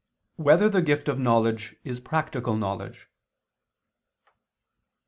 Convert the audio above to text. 3] Whether the Gift of Knowledge Is Practical Knowledge?